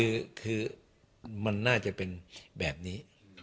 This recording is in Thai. คือมันน่าจะเป็นแบบนี้